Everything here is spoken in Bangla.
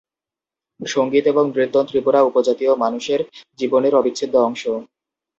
সঙ্গীত এবং নৃত্য ত্রিপুরা উপজাতীয় মানুষের জীবনের অবিচ্ছেদ্য অংশ।